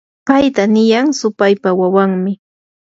payta niyan supaypa wawanmi.